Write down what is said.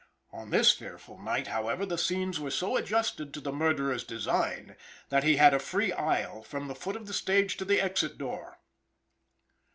On this fearful night, however, the scenes were so adjusted to the murderer's design that he had a free aisle from the foot of the stage to the exit door.